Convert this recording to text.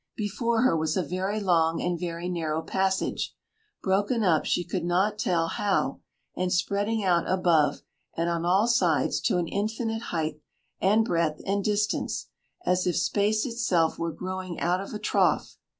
Before her was a very long and very narrow passage, broken up she could not tell how, and spreading out above and on all sides to an infinite height and breadth and distance as if space itself were growing out of a trough.